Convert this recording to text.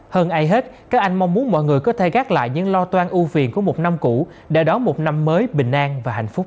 hơn ai hết các anh mong muốn mọi người có thể gác lại những lo toan u phiền của một năm cũ để đón một năm mới bình an và hạnh phúc